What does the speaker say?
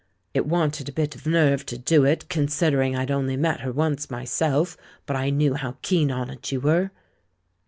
It wanted a bit of nerve to do it, considering I'd only met her once, myself, but I knew how keen on it you were